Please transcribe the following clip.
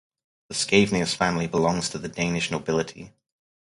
The Scavenius family belongs to the Danish Nobility.